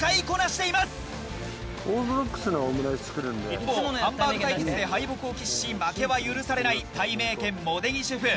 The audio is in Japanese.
一方ハンバーグ対決で敗北を喫し負けは許されないたいめいけん茂出木シェフ。